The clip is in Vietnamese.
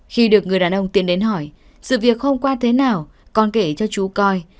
khi được người đàn ông tiến đến hỏi sự việc hôm qua thế nào con kể cho chú coi